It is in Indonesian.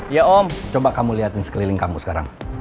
ya om coba kamu liat nih sekeliling kamu sekarang